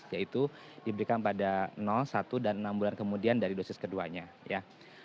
yaitu diberikan pada satu dan enam bulan kemudian dari dosis keduanya ya